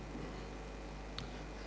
siap baik bapak